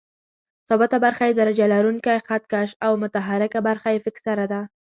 ثابته برخه یې درجه لرونکی خط کش او متحرکه برخه یې فکسره لري.